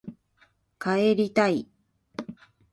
帰りたい